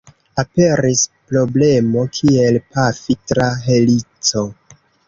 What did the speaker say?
Aperis problemo, kiel pafi tra helico.